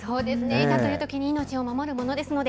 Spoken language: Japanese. いざというときに命を守るものですので。